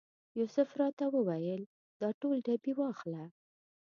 یوسف راته وویل دا ټول ډبې واخله.